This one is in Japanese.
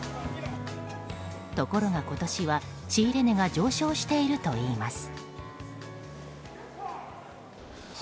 ところが今年は、仕入れ値が上昇しているといいます。